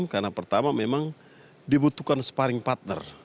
karena pertama memang dibutuhkan sparring partner